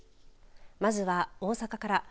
まずは大阪から。